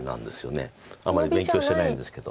あまり勉強してないんですけど。